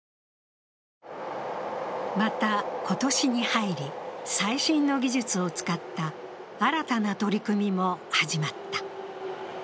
また、今年に入り、最新の技術を使った新たな取り組みも始まった。